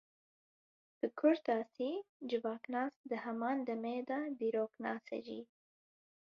Bi kurtasî, civaknas di heman demê de dîroknas e jî.